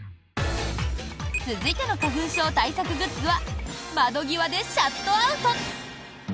続いての花粉症対策グッズは窓際でシャットアウト！